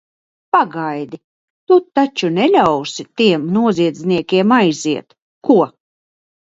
Pagaidi, tu taču neļausi tiem noziedzniekiem aiziet, ko?